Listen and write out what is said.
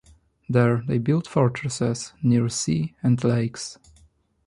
There, they built fortresses near sea and lakes.